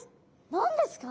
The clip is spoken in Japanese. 何ですか？